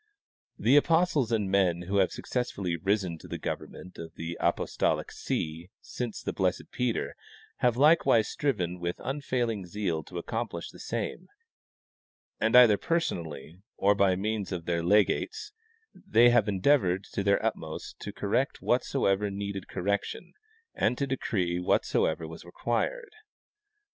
"* The apostles and men who have successively risen to the government of the apostolic see since the blessed Peter have likewise striven with unfailing zeal to accomplish the same, and either personally or by means of their legates they have endeavored to their utmost to correct whatsoever needed correction and to decree whatsoever was required.